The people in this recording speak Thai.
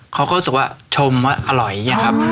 เขาก็รู้สึกว่าชมว่าอร่อยอย่างนี้ครับ